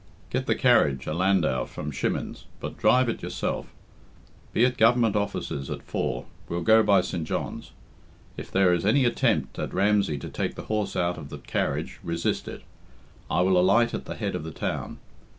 "Get the carriage, a landau, from Shimmin's, but drive it yourself. Be at Government offices at four we'll go by St. John's. If there is any attempt at Ramsey to take the horse out of the carriage, resist it. I will alight at the head of the town.